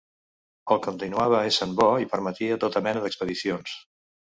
El continuava essent bo i permetia tota mena d'expedicions.